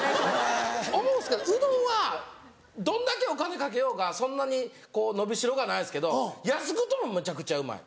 思うんですけどうどんはどんだけお金かけようがそんなに伸びしろがないですけど安くてもめちゃくちゃうまい。